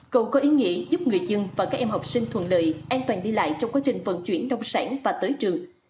cầu có ý nghĩa giúp người dân và các em học sinh thuận lợi an toàn đi lại trong quá trình vận chuyển nông sản và tới trường